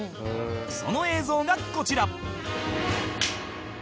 その映像がこちら